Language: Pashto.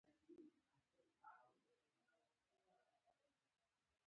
یا آیا دا وسایل د یوې عادلې ټولنې په واک کې دي؟